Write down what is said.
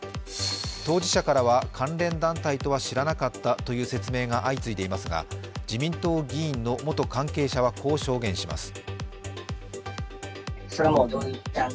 当事者からは、関連団体とは知らなかったという説明が相次いでいますが自民党議員の元関係者は、こう証言します。